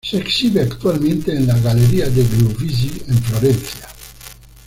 Se exhibe actualmente en la Galleria degli Uffizi en Florencia.